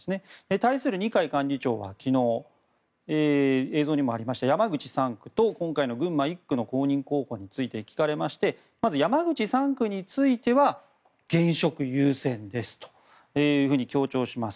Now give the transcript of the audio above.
対する二階幹事長は昨日映像にもありました山口３区と、今回の群馬１区の公認候補について聞かれましてまず山口３区については現職優先ですと強調します。